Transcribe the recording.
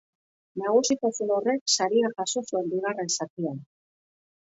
Nagusitasun horrek saria jaso zuen bigarren zatian.